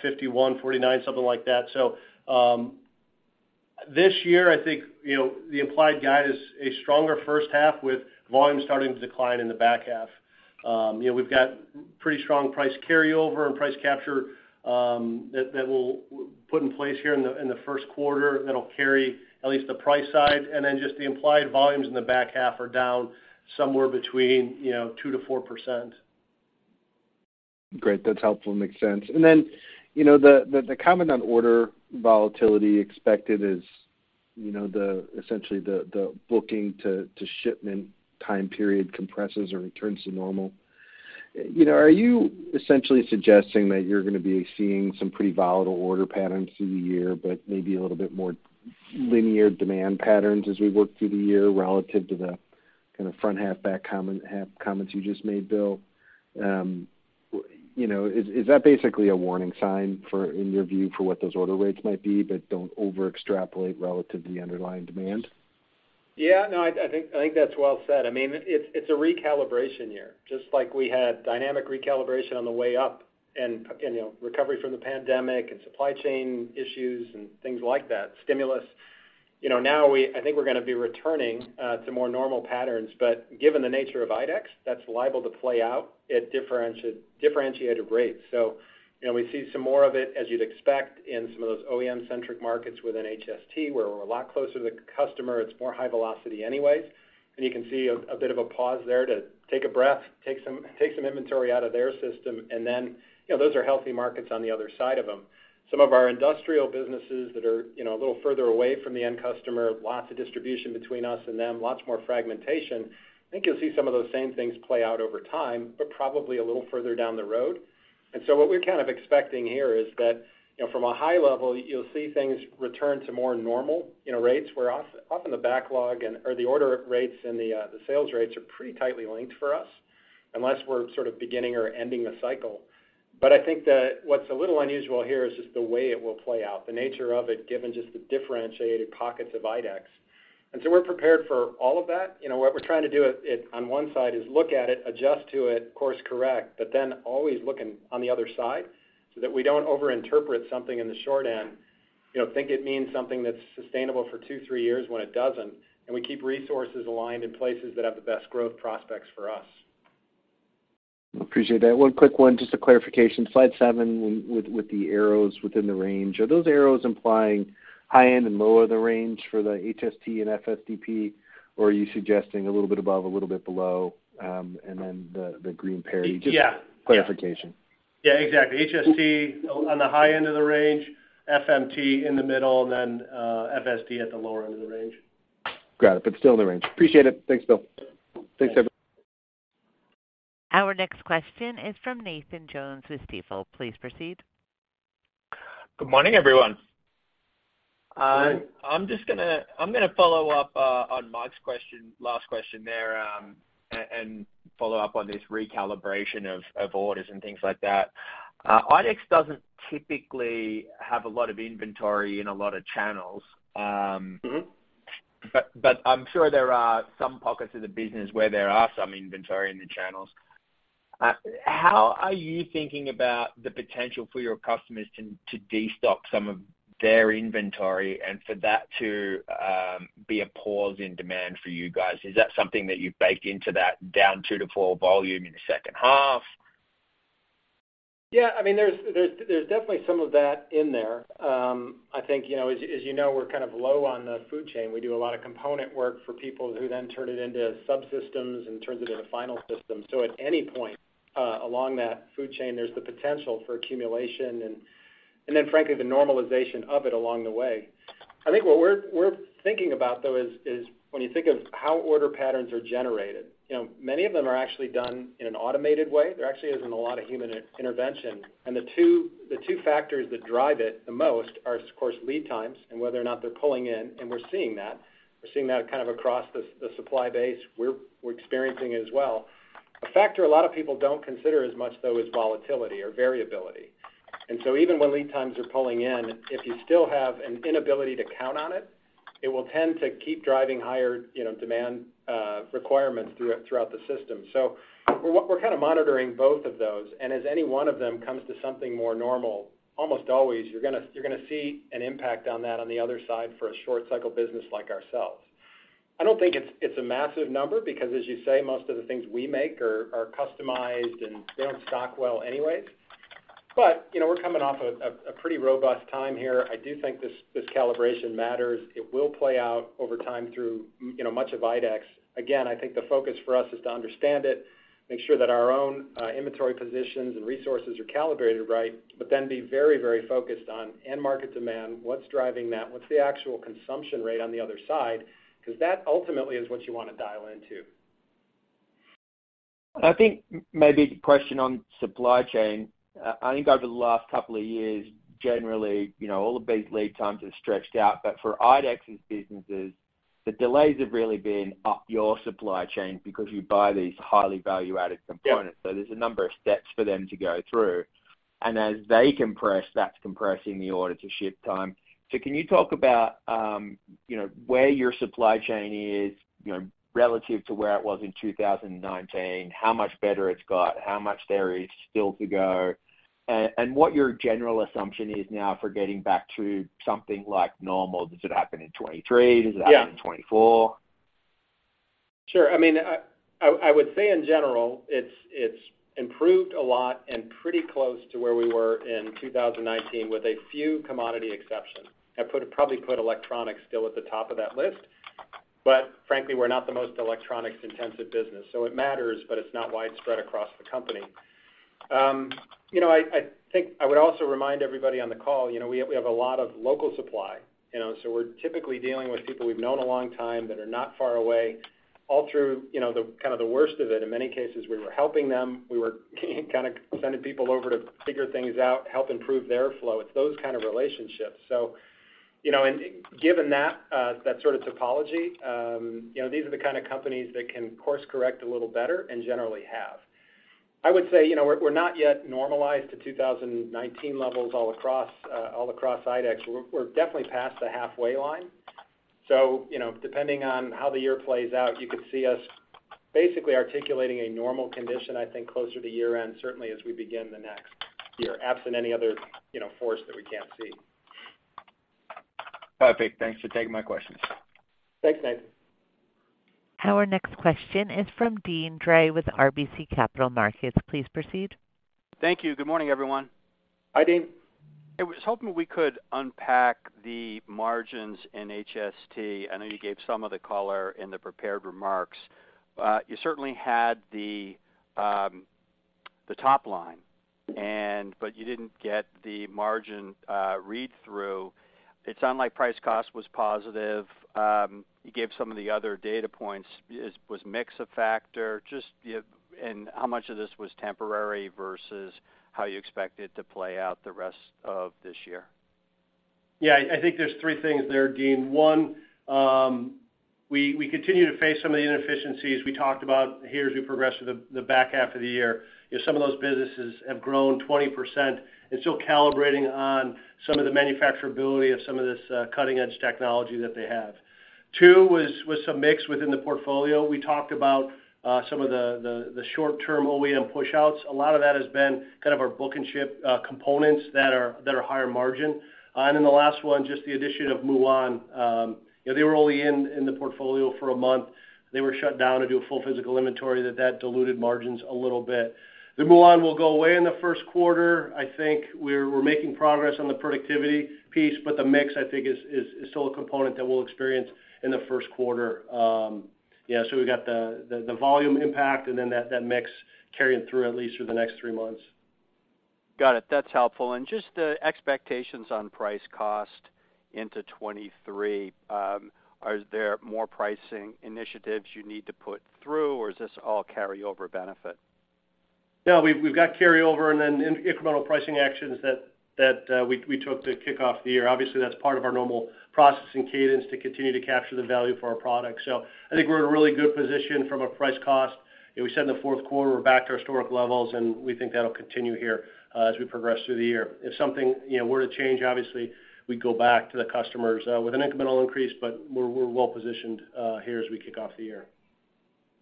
51, 49, something like that. This year, I think, you know, the implied guide is a stronger first half with volume starting to decline in the back half. You know, we've got pretty strong price carryover and price capture that will put in place here in the, in the first quarter. That'll carry at least the price side, and then just the implied volumes in the back half are down somewhere between, you know, 2%-4%. Great. That's helpful. Makes sense. You know, the comment on order volatility expected is, you know, essentially the booking to shipment time period compresses or returns to normal. You know, are you essentially suggesting that you're gonna be seeing some pretty volatile order patterns through the year, but maybe a little bit more linear demand patterns as we work through the year relative to the kind of front half, back half comments you just made, Bill? You know, is that basically a warning sign for, in your view, for what those order rates might be, but don't over extrapolate relative to the underlying demand? Yeah. No, I think that's well said. I mean, it's a recalibration year, just like we had dynamic recalibration on the way up and, you know, recovery from the pandemic and supply chain issues and things like that. Stimulus. You know, now I think we're gonna be returning to more normal patterns. Given the nature of IDEX, that's liable to play out at differentiated rates. You know, we see some more of it, as you'd expect, in some of those OEM-centric markets within HST, where we're a lot closer to the customer. It's more high velocity anyways. You can see a bit of a pause there to take a breath, take some inventory out of their system. You know, those are healthy markets on the other side of them. Some of our industrial businesses that are, you know, a little further away from the end customer, lots of distribution between us and them, lots more fragmentation. I think you'll see some of those same things play out over time, but probably a little further down the road. What we're kind of expecting here is that, you know, from a high level, you'll see things return to more normal, you know, rates, where often the backlog or the order rates and the sales rates are pretty tightly linked for us, unless we're sort of beginning or ending the cycle. I think that what's a little unusual here is just the way it will play out, the nature of it, given just the differentiated pockets of IDEX. We're prepared for all of that. You know, what we're trying to do at, on one side is look at it, adjust to it, course correct, but then always looking on the other side so that we don't overinterpret something in the short end, you know, think it means something that's sustainable for two, three years when it doesn't, and we keep resources aligned in places that have the best growth prospects for us. Appreciate that. One quick one, just a clarification. Slide seven with the arrows within the range. Are those arrows implying high end and low of the range for the HST and FSDP, or are you suggesting a little bit above, a little bit below, and then the green parity? Yeah. Just clarification. Yeah, exactly. HST on the high end of the range, FMT in the middle, and then FSD at the lower end of the range. Got it. Still in the range. Appreciate it. Thanks, Bill. Thanks. Thanks, everyone. Our next question is from Nathan Jones with Stifel. Please proceed. Good morning, everyone. Hi. I'm gonna follow up on Mike's question, last question there, and follow up on this recalibration of orders and things like that. IDEX doesn't typically have a lot of inventory in a lot of channels. Mm-hmm. But I'm sure there are some pockets of the business where there are some inventory in the channels. How are you thinking about the potential for your customers to destock some of? Their inventory, and for that to, be a pause in demand for you guys, is that something that you've baked into that down two to four volume in the second half? Yeah. I mean, there's definitely some of that in there. I think, you know, as you know, we're kind of low on the food chain. We do a lot of component work for people who then turn it into subsystems and turns it into final systems. At any point along that food chain, there's the potential for accumulation and then frankly, the normalization of it along the way. I think what we're thinking about though is when you think of how order patterns are generated, you know, many of them are actually done in an automated way. There actually isn't a lot of human intervention. The two factors that drive it the most are, of course, lead times and whether or not they're pulling in, and we're seeing that. We're seeing that kind of across the supply base. We're experiencing it as well. A factor a lot of people don't consider as much though is volatility or variability. Even when lead times are pulling in, if you still have an inability to count on it will tend to keep driving higher, you know, demand requirements throughout the system. We're kind of monitoring both of those. As any one of them comes to something more normal, almost always you're gonna see an impact on that on the other side for a short cycle business like ourselves. I don't think it's a massive number because as you say, most of the things we make are customized and they don't stock well anyways. You know, we're coming off a pretty robust time here. I do think this calibration matters. It will play out over time through, you know, much of IDEX. Again, I think the focus for us is to understand it, make sure that our own inventory positions and resources are calibrated right, but then be very focused on end market demand, what's driving that, what's the actual consumption rate on the other side, 'cause that ultimately is what you wanna dial into. I think maybe the question on supply chain, I think over the last couple of years, generally, you know, all of these lead times have stretched out. For IDEX's businesses, the delays have really been up your supply chain because you buy these highly value-added components. Yeah. There's a number of steps for them to go through. As they compress, that's compressing the order to ship time. Can you talk about, you know, where your supply chain is, you know, relative to where it was in 2019, how much better it's got, how much there is still to go, and what your general assumption is now for getting back to something like normal? Does it happen in 2023? Yeah. Does it happen in 2024? Sure. I mean, I would say in general, it's improved a lot and pretty close to where we were in 2019 with a few commodity exceptions. Probably put electronics still at the top of that list. Frankly, we're not the most electronics intensive business. It matters, but it's not widespread across the company. You know, I think I would also remind everybody on the call, you know, we have a lot of local supply, you know. We're typically dealing with people we've known a long time that are not far away all through, you know, the kind of the worst of it. In many cases, we were helping them. We were kind of sending people over to figure things out, help improve their flow. It's those kind of relationships. You know, and given that sort of topology, you know, these are the kind of companies that can course correct a little better and generally have. I would say, you know, we're not yet normalized to 2019 levels all across, all across IDEX. We're, we're definitely past the halfway line. You know, depending on how the year plays out, you could see us basically articulating a normal condition, I think, closer to year-end, certainly as we begin the next year, absent any other, you know, force that we can't see. Perfect. Thanks for taking my questions. Thanks, Nathan. Our next question is from Deane Dray with RBC Capital Markets. Please proceed. Thank you. Good morning, everyone. Hi, Deane. I was hoping we could unpack the margins in HST. I know you gave some of the color in the prepared remarks. You certainly had the top line and... You didn't get the margin read through. It sounded like price cost was positive. You gave some of the other data points. Was mix a factor? Just, you know, and how much of this was temporary versus how you expect it to play out the rest of this year? Yeah. I think there's three things there, Dean. One, we continue to face some of the inefficiencies we talked about here as we progress through the back half of the year. You know, some of those businesses have grown 20% and still calibrating on some of the manufacturability of some of this cutting-edge technology that they have. Two was some mix within the portfolio. We talked about some of the short term OEM pushouts. A lot of that has been kind of our book and ship components that are higher margin. The last one, just the addition of Muon. You know, they were only in the portfolio for a month. They were shut down to do a full physical inventory that diluted margins a little bit. The Muon will go away in the first quarter. I think we're making progress on the productivity piece, but the mix, I think, is still a component that we'll experience in the first quarter. Yeah, we've got the volume impact and then that mix carrying through at least through the next three months. Got it. That's helpful. Just expectations on price cost into 2023. Are there more pricing initiatives you need to put through, or is this all carryover benefit? No, we've got carryover and then incremental pricing actions that we took to kick off the year. Obviously, that's part of our normal processing cadence to continue to capture the value for our products. I think we're in a really good position from a price cost. You know, we said in the fourth quarter, we're back to our historic levels, and we think that'll continue here as we progress through the year. If something, you know, were to change, obviously, we'd go back to the customers with an incremental increase. We're well positioned here as we kick off the year.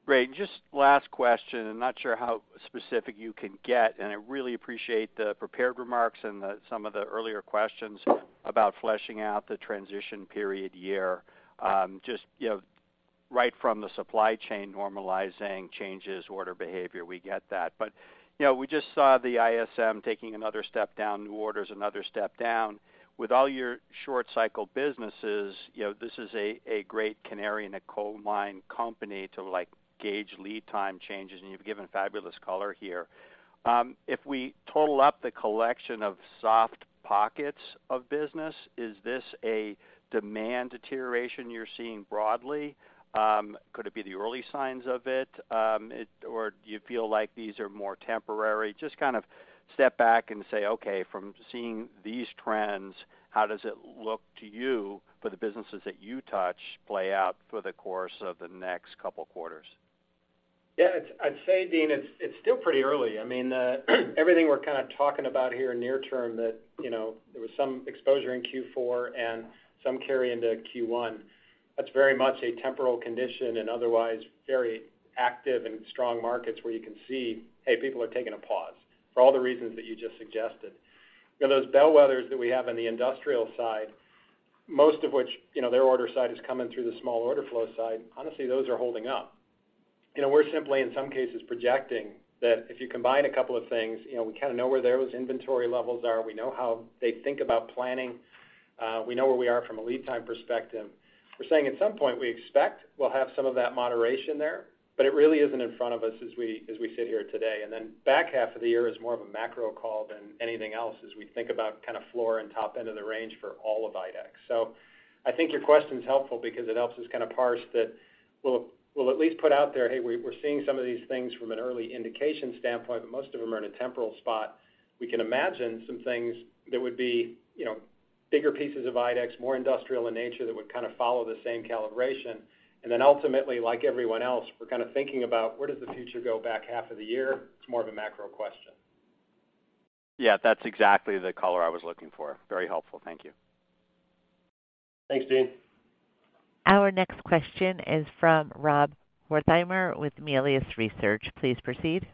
Great. Just last question. I'm not sure how specific you can get, and I really appreciate the prepared remarks and the, some of the earlier questions about fleshing out the transition period year. Just, you know, right from the supply chain normalizing changes, order behavior, we get that. You know, we just saw the ISM taking another step down, new orders another step down. With all your short cycle businesses, you know, this is a great canary in a coal mine company to, like, gauge lead time changes, and you've given fabulous color here. If we total up the collection of soft pockets of business, is this a demand deterioration you're seeing broadly? Could it be the early signs of it? Or do you feel like these are more temporary? Just kind of step back and say, okay, from seeing these trends, how does it look to you for the businesses that you touch play out for the course of the next couple quarters? Yeah, I'd say, Deane, it's still pretty early. I mean, everything we're kind of talking about here near term that, you know, there was some exposure in Q4 and some carry into Q1, that's very much a temporal condition and otherwise very active and strong markets where you can see, hey, people are taking a pause for all the reasons that you just suggested. You know, those bellwethers that we have on the industrial side, most of which, you know, their order side is coming through the small order flow side. Honestly, those are holding up. You know, we're simply, in some cases, projecting that if you combine a couple of things, you know, we kind of know where those inventory levels are. We know how they think about planning. We know where we are from a lead time perspective. We're saying at some point, we expect we'll have some of that moderation there, but it really isn't in front of us as we, as we sit here today. back half of the year is more of a macro call than anything else as we think about kind of floor and top end of the range for all of IDEX. I think your question is helpful because it helps us kind of parse that we'll at least put out there, hey, we're seeing some of these things from an early indication standpoint, but most of them are in a temporal spot. We can imagine some things that would be, you know, bigger pieces of IDEX, more industrial in nature, that would kind of follow the same calibration. Ultimately, like everyone else, we're kind of thinking about where does the future go back half of the year. It's more of a macro question. Yeah, that's exactly the color I was looking for. Very helpful. Thank you. Thanks, Deane. Our next question is from Robert Wertheimer with Melius Research. Please proceed.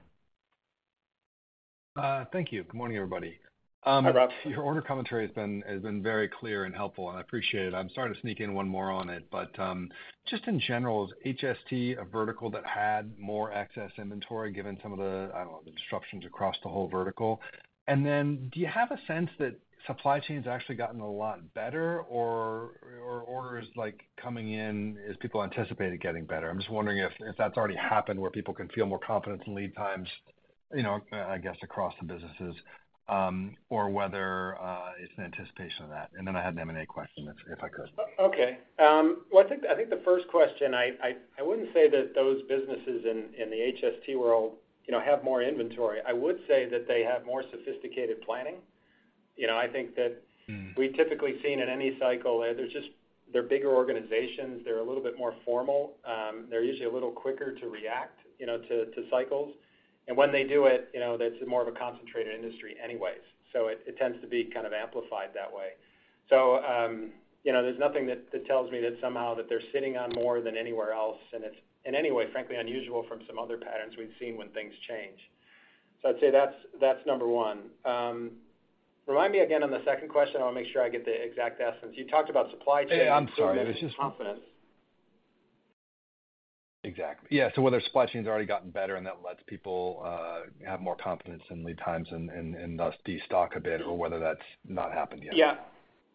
Thank you. Good morning, everybody. Hi, Rob. Your order commentary has been very clear and helpful, and I appreciate it. I'm sorry to sneak in one more on it, but, just in general, is HST a vertical that had more excess inventory given some of the, I don't know, the disruptions across the whole vertical? Do you have a sense that supply chain's actually gotten a lot better or orders like coming in as people anticipated getting better? I'm just wondering if that's already happened where people can feel more confident in lead times, you know, I guess, across the businesses, or whether it's an anticipation of that. I had an M&A question, if I could. I think the first question, I wouldn't say that those businesses in the HST world, you know, have more inventory. I would say that they have more sophisticated planning. You know, I think that. Mm. We've typically seen in any cycle, they're bigger organizations. They're a little bit more formal. They're usually a little quicker to react, you know, to cycles. When they do it, you know, that's more of a concentrated industry anyways. It, it tends to be kind of amplified that way. You know, there's nothing that tells me that somehow that they're sitting on more than anywhere else, and it's in any way, frankly, unusual from some other patterns we've seen when things change. I'd say that's number one. Remind me again on the second question. I wanna make sure I get the exact essence. You talked about supply chain- I'm sorry. It was. -confidence. Exactly. Yeah. Whether supply chain's already gotten better, and that lets people have more confidence in lead times and thus de-stock a bit or whether that's not happened yet. Yeah.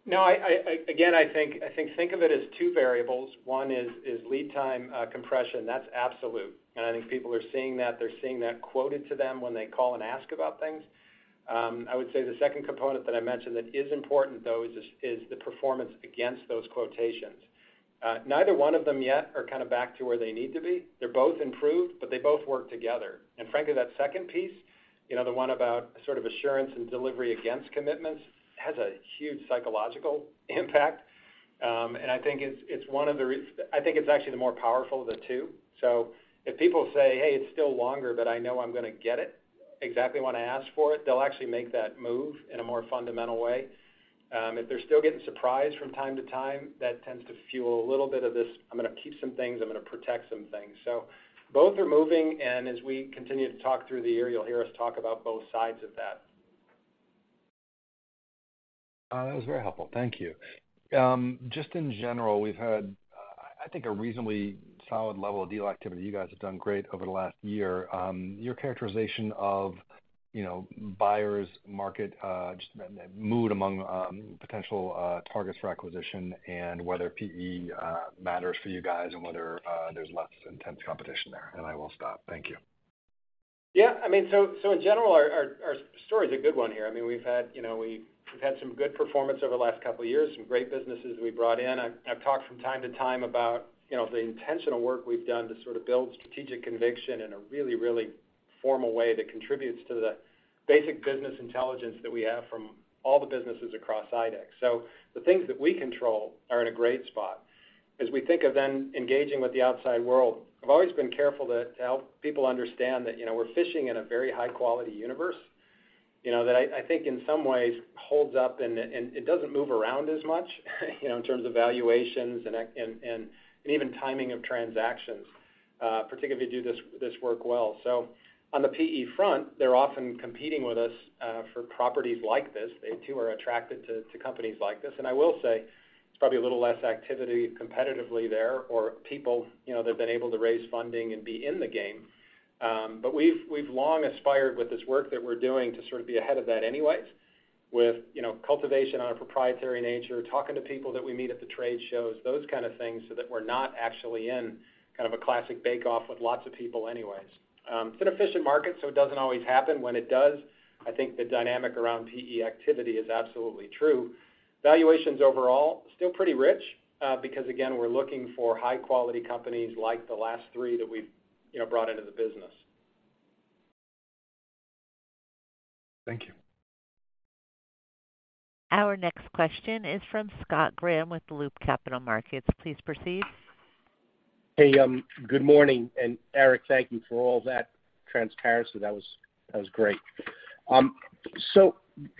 No. I, again, I think of it as two variables. One is lead time compression. That's absolute. I think people are seeing that. They're seeing that quoted to them when they call and ask about things. I would say the second component that I mentioned that is important though is the performance against those quotations. Neither one of them yet are kind of back to where they need to be. They're both improved, but they both work together. Frankly, that second piece, you know, the one about sort of assurance and delivery against commitments, has a huge psychological impact. I think it's one of the I think it's actually the more powerful of the two. If people say, "Hey, it's still longer, but I know I'm gonna get it exactly when I ask for it," they'll actually make that move in a more fundamental way. If they're still getting surprised from time to time, that tends to fuel a little bit of this, I'm gonna keep some things, I'm gonna protect some things. Both are moving, and as we continue to talk through the year, you'll hear us talk about both sides of that. That was very helpful. Thank you. Just in general, we've had, I think a reasonably solid level of deal activity. You guys have done great over the last year. Your characterization of, you know, buyers market, just the mood among potential targets for acquisition and whether PE matters for you guys and whether there's less intense competition there. I will stop. Thank you. I mean, so in general, our, our story is a good one here. I mean, we've had, you know, we've had some good performance over the last couple of years, some great businesses we brought in. I've talked from time to time about, you know, the intentional work we've done to sort of build strategic conviction in a really, really formal way that contributes to the basic business intelligence that we have from all the businesses across IDEX. The things that we control are in a great spot. As we think of then engaging with the outside world, I've always been careful to help people understand that, you know, we're fishing in a very high quality universe. You know, that I think in some ways holds up and it doesn't move around as much, you know, in terms of valuations and even timing of transactions, particularly if you do this work well. On the PE front, they're often competing with us for properties like this. They too are attracted to companies like this. I will say it's probably a little less activity competitively there or people, you know, that have been able to raise funding and be in the game. We've long aspired with this work that we're doing to sort of be ahead of that anyways, with, you know, cultivation on a proprietary nature, talking to people that we meet at the trade shows, those kind of things, so that we're not actually in kind of a classic bake off with lots of people anyways. It's an efficient market, it doesn't always happen. When it does, I think the dynamic around PE activity is absolutely true. Valuations overall, still pretty rich, because again, we're looking for high-quality companies like the last three that we've, you know, brought into the business. Thank you. Our next question is from Scott Graham with Loop Capital Markets. Please proceed. Hey, good morning. Eric, thank you for all that transparency. That was great.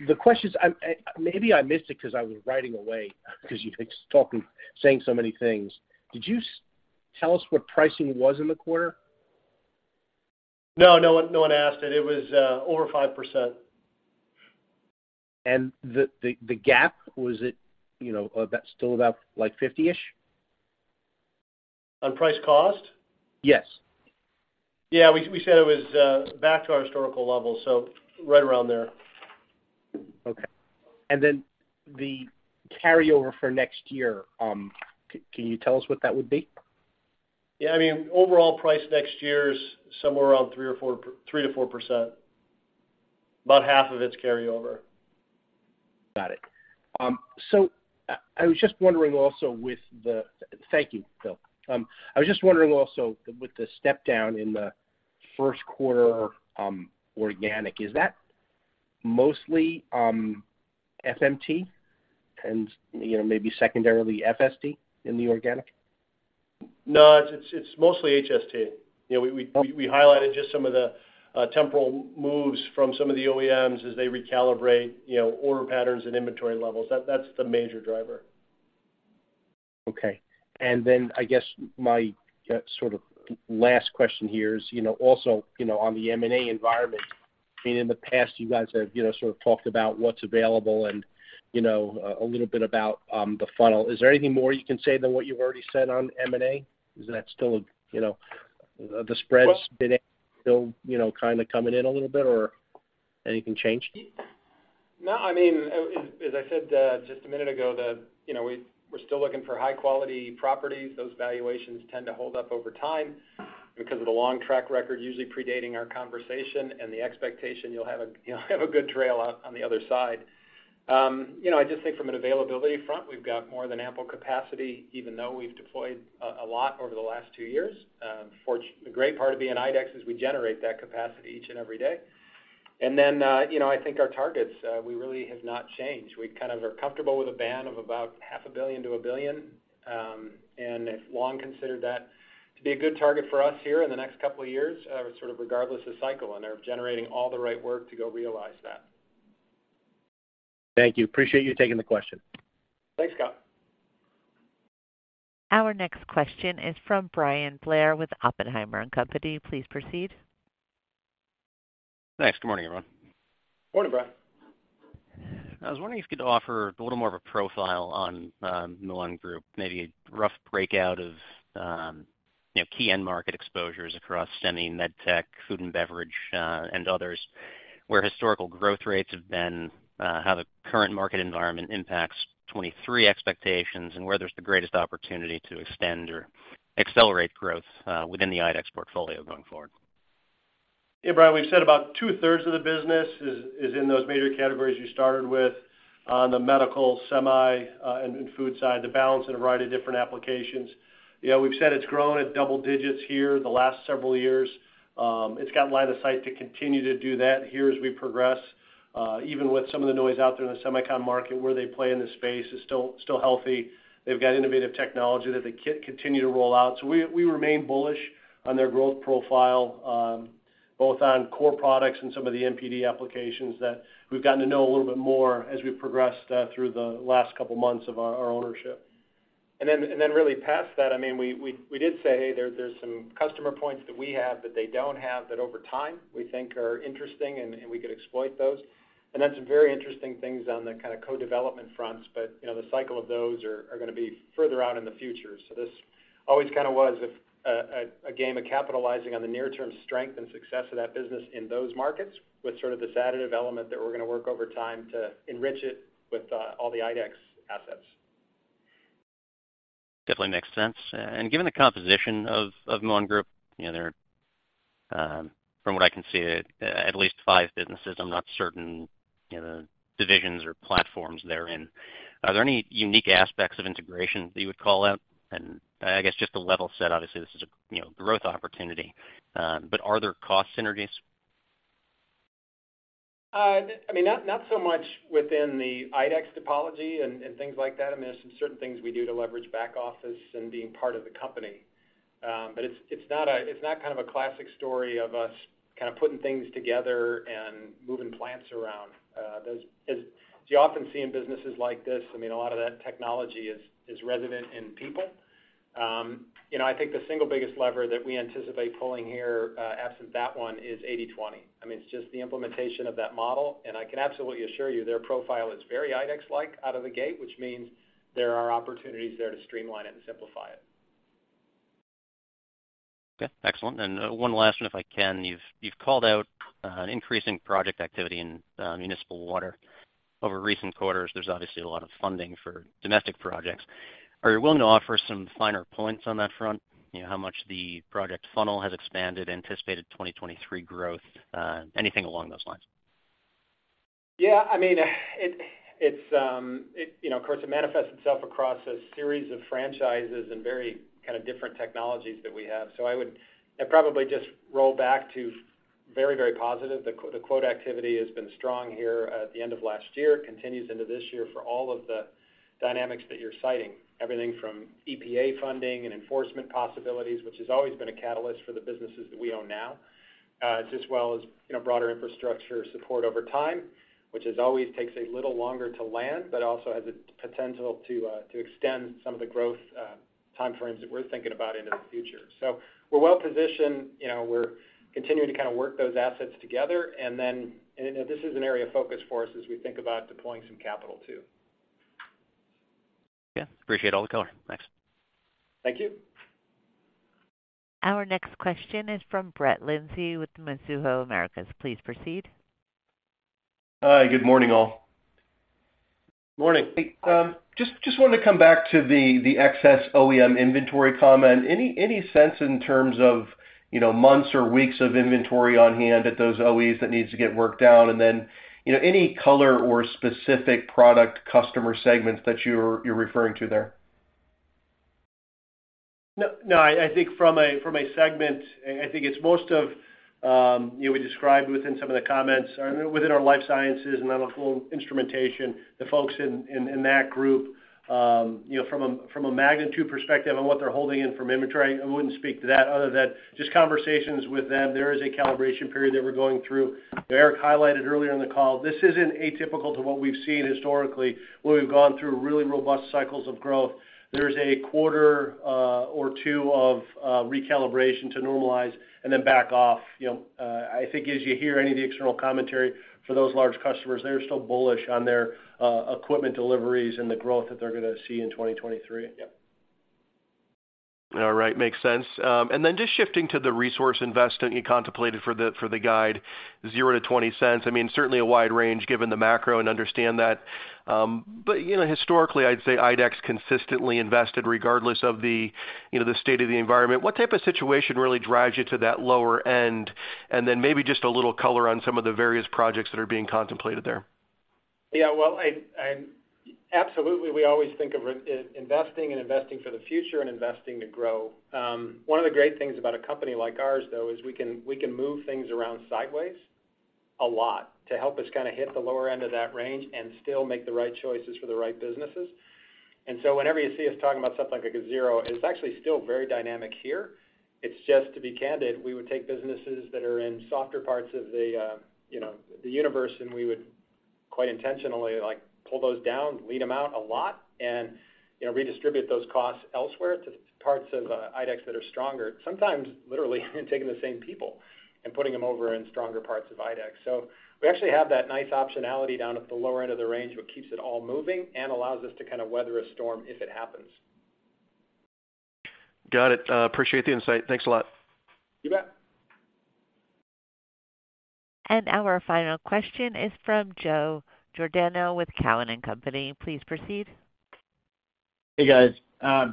The questions maybe I missed it because I was writing away because you were talking, saying so many things. Did you tell us what pricing was in the quarter? no one asked it. It was over 5%. The gap, was it, you know, that still about like 50-ish? On price cost? Yes. Yeah, we said it was back to our historical level, so right around there. Okay. Then the carryover for next year, can you tell us what that would be? Yeah. I mean, overall price next year is somewhere around 3% to 4%, about half of it's carryover. Got it. Thank you, Phil. I was just wondering also with the step down in the first quarter, organic, is that mostly FMT and, you know, maybe secondarily FSD in the organic? No, it's mostly HST. You know, we. Okay. We highlighted just some of the temporal moves from some of the OEMs as they recalibrate, you know, order patterns and inventory levels. That's the major driver. Okay. I guess my sort of last question here is, you know, also, you know, on the M&A environment, I mean, in the past, you guys have, you know, sort of talked about what's available and, you know, a little bit about the funnel. Is there anything more you can say than what you've already said on M&A? Is that still, you know, the spreads still, you know, kind of coming in a little bit or anything changed? No, I mean, as I said, just a minute ago that, you know, we're still looking for high-quality properties. Those valuations tend to hold up over time because of the long track record, usually predating our conversation and the expectation you'll have a, you'll have a good trail out on the other side. You know, I just think from an availability front, we've got more than ample capacity, even though we've deployed a lot over the last two years. The great part of being IDEX is we generate that capacity each and every day. Then, you know, I think our targets, we really have not changed. We kind of are comfortable with a band of about half a billion to a billion. If Long considered that to be a good target for us here in the next couple of years, sort of regardless of cycle, and they're generating all the right work to go realize that. Thank you. Appreciate you taking the question. Thanks, Scott. Our next question is from Bryan Blair with Oppenheimer & Company. Please proceed. Thanks. Good morning, everyone. Morning, Bryan. I was wondering if you could offer a little more of a profile on Muon Group, maybe a rough breakout of, you know, key end market exposures across semi, med tech, food and beverage, and others, where historical growth rates have been, how the current market environment impacts 2023 expectations and where there's the greatest opportunity to extend or accelerate growth within the IDEX portfolio going forward? Yeah, Bryan, we've said about 2/3 of the business is in those major categories you started with on the medical, semi, and food side, the balance in a variety of different applications. You know, we've said it's grown at double digits here the last several years. It's got line of sight to continue to do that here as we progress, even with some of the noise out there in the semicon market, where they play in the space is still healthy. They've got innovative technology that they continue to roll out. We remain bullish on their growth profile, both on core products and some of the MPD applications that we've gotten to know a little bit more as we've progressed through the last couple of months of our ownership. Then really past that, I mean, we did say, hey, there's some customer points that we have that they don't have that over time we think are interesting and we could exploit those. That's very interesting things on the kind of co-development fronts, but, you know, the cycle of those are gonna be further out in the future. This always kind of was a game of capitalizing on the near-term strength and success of that business in those markets with sort of this additive element that we're gonna work over time to enrich it with all the IDEX assets. Definitely makes sense. Given the composition of Muon Group, you know, there, from what I can see, at least five businesses, I'm not certain, you know, divisions or platforms they're in. Are there any unique aspects of integration that you would call out? I guess just the level set, obviously, this is a, you know, growth opportunity, but are there cost synergies? I mean, not so much within the IDEX topology and things like that. I mean, there's some certain things we do to leverage back office and being part of the company. It's not kind of a classic story of us kind of putting things together and moving plants around. As you often see in businesses like this, I mean, a lot of that technology is resident in people. You know, I think the single biggest lever that we anticipate pulling here, absent that one is 80/20. I mean, it's just the implementation of that model, and I can absolutely assure you their profile is very IDEX-like out of the gate, which means there are opportunities there to streamline it and simplify it. Okay, excellent. One last one, if I can. You've called out an increasing project activity in municipal water over recent quarters. There's obviously a lot of funding for domestic projects. Are you willing to offer some finer points on that front? You know, how much the project funnel has expanded, anticipated 2023 growth, anything along those lines? Yeah, I mean, it's, you know, of course it manifests itself across a series of franchises and very kind of different technologies that we have. I'd probably just roll back to very, very positive. The quote activity has been strong here at the end of last year, continues into this year for all of the dynamics that you're citing, everything from EPA funding and enforcement possibilities, which has always been a catalyst for the businesses that we own now, as well as, you know, broader infrastructure support over time, which as always takes a little longer to land, but also has the potential to extend some of the growth time frames that we're thinking about into the future. We're well-positioned, you know, we're continuing to kind of work those assets together. This is an area of focus for us as we think about deploying some capital too. Okay. Appreciate all the color. Thanks. Thank you. Our next question is from Brett Linzey with Mizuho Americas. Please proceed. Hi. Good morning, all. Morning. Just wanted to come back to the excess OEM inventory comment. Any sense in terms of, you know, months or weeks of inventory on hand at those OEs that needs to get worked out? You know, any color or specific product customer segments that you're referring to there? No, no, I think from a, from a segment, I think it's most of, you know, we described within some of the comments or within our Life Sciences and Medical Instrumentation, the folks in that group, you know, from a, from a magnitude perspective on what they're holding in from inventory, I wouldn't speak to that other than just conversations with them. There is a calibration period that we're going through. Eric highlighted earlier in the call, this isn't atypical to what we've seen historically, where we've gone through really robust cycles of growth. There's a quarter or two of recalibration to normalize and then back off. You know, I think as you hear any of the external commentary for those large customers, they're still bullish on their equipment deliveries and the growth that they're gonna see in 2023. Yeah. All right. Makes sense. Just shifting to the resource investment you contemplated for the, for the guide, $0.00-$0.20. I mean, certainly a wide range given the macro and understand that. You know, historically, I'd say IDEX consistently invested regardless of the, you know, the state of the environment. What type of situation really drives you to that lower end? And then maybe just a little color on some of the various projects that are being contemplated there. Yeah. Well, absolutely, we always think of investing and investing for the future and investing to grow. One of the great things about a company like ours, though, is we can, we can move things around sideways a lot to help us kinda hit the lower end of that range and still make the right choices for the right businesses. Whenever you see us talking about stuff like a zero, it's actually still very dynamic here. It's just, to be candid, we would take businesses that are in softer parts of the, you know, the universe, and we would quite intentionally, like, pull those down, weed them out a lot, and, you know, redistribute those costs elsewhere to parts of IDEX that are stronger, sometimes literally taking the same people and putting them over in stronger parts of IDEX. We actually have that nice optionality down at the lower end of the range, which keeps it all moving and allows us to kind of weather a storm if it happens. Got it. Appreciate the insight. Thanks a lot. You bet. Our final question is from Joseph Giordano with Cowen and Company. Please proceed. Hey, guys.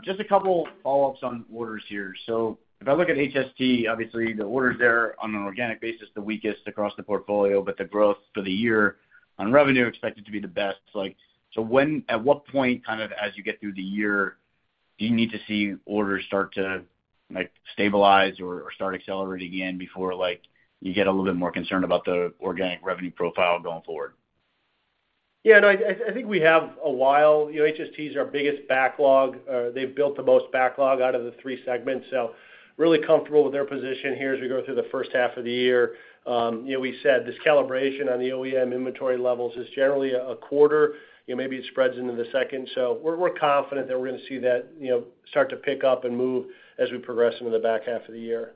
Just a couple follow-ups on orders here. If I look at HST, obviously the orders there on an organic basis, the weakest across the portfolio, but the growth for the year on revenue expected to be the best. When at what point kind of as you get through the year, do you need to see orders start to, like, stabilize or start accelerating again before, like, you get a little bit more concerned about the organic revenue profile going forward? Yeah. No, I think we have a while. You know, HST is our biggest backlog. They've built the most backlog out of the three segments, so really comfortable with their position here as we go through the first half of the year. You know, we said this calibration on the OEM inventory levels is generally a quarter. You know, maybe it spreads into the second. We're confident that we're gonna see that, you know, start to pick up and move as we progress into the back half of the year.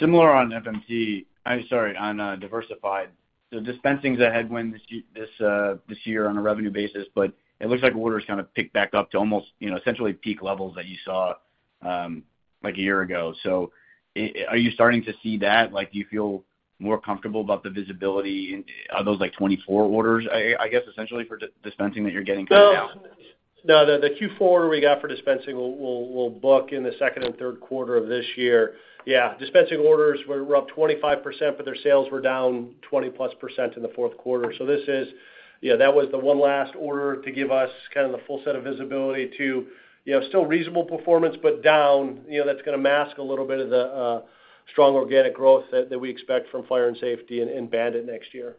Similar on FMT. I'm sorry, on, Diversified. Dispensing is a headwind this year on a revenue basis, but it looks like orders kind of picked back up to almost, you know, essentially peak levels that you saw, like a year ago. Are you starting to see that? Like, do you feel more comfortable about the visibility? Are those like 24 orders, I guess essentially for dispensing that you're getting kind of now? The Q4 order we got for dispensing will book in the second and third quarter of this year. Dispensing orders were up 25%, but their sales were down 20%+ in the fourth quarter. This is, you know, that was the one last order to give us kind of the full set of visibility to, you know, still reasonable performance, but down. You know, that's gonna mask a little bit of the strong organic growth that we expect from Fire & Safety and BAND-IT next year.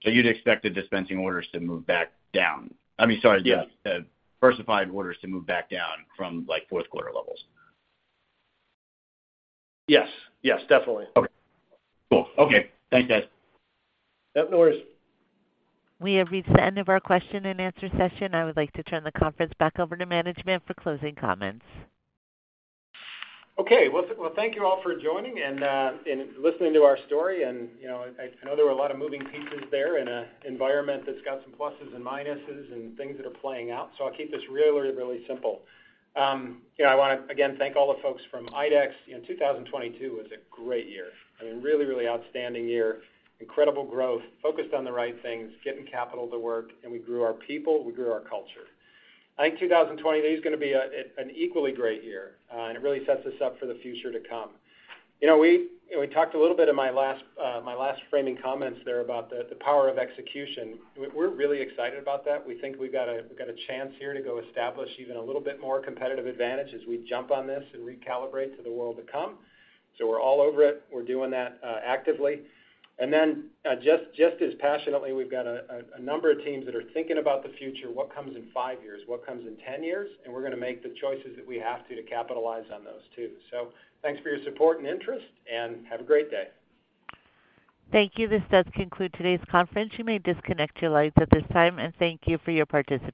You'd expect the dispensing orders to move back down? I mean, sorry. Yeah. The diversified orders to move back down from like fourth quarter levels. Yes. Yes, definitely. Okay, cool. Okay. Thanks, guys. Yep, no worries. We have reached the end of our question and answer session. I would like to turn the conference back over to management for closing comments. Okay. Well, thank you all for joining and listening to our story. You know, I know there were a lot of moving pieces there in a environment that's got some pluses and minuses and things that are playing out, so I'll keep this really, really simple. You know, I wanna, again, thank all the folks from IDEX. You know, 2022 was a great year. I mean, really, really outstanding year, incredible growth, focused on the right things, getting capital to work. We grew our people, we grew our culture. I think 2023 is gonna be an equally great year, and it really sets us up for the future to come. You know, we talked a little bit in my last framing comments there about the power of execution. We're really excited about that. We think we've got a chance here to go establish even a little bit more competitive advantage as we jump on this and recalibrate to the world to come. We're all over it. We're doing that actively. Then, just as passionately, we've got a number of teams that are thinking about the future, what comes in five years, what comes in 10 years, and we're gonna make the choices that we have to capitalize on those too. Thanks for your support and interest, and have a great day. Thank you. This does conclude today's conference. You may disconnect your lines at this time, and thank you for your participation.